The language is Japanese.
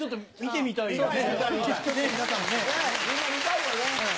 みんな見たいよね？